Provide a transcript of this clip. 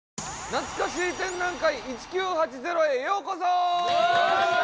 なつかしー展覧会１９８０へようこそ！